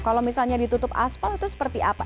kalau misalnya ditutup aspal itu seperti apa